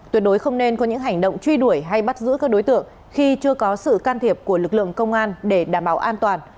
tuyệt đối không nên có những hành động truy đuổi hay bắt giữ các đối tượng khi chưa có sự can thiệp của lực lượng công an để đảm bảo an toàn